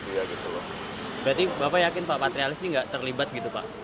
berarti bapak yakin pak patrialis ini tidak terlibat gitu pak